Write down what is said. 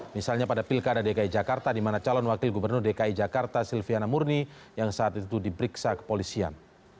misalnya pada pilkada dki jakarta di mana calon wakil gubernur dki jakarta silviana murni yang saat itu diperiksa kepolisian